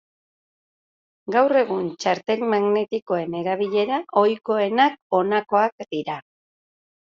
Gaur egun txartel magnetikoen erabilera ohikoenak honakoak dira.